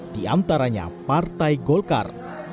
diantaranya partai golkar